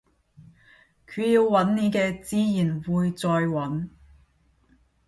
佢要搵你嘅自然會再搵